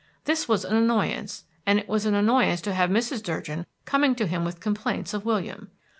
This was an annoyance; and it was an annoyance to have Mrs. Durgin coming to him with complaints of William.